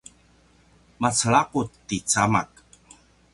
macelaqut ti camak